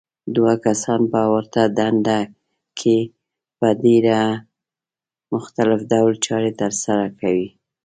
دوه کسان په ورته دنده کې په ډېر مختلف ډول چارې ترسره کوي.